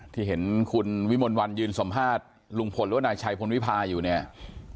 ที่เห็นคุณวิมลวันยืนสัมภาษณ์ลุงพลหรือว่านายชัยพลวิพาอยู่เนี่ย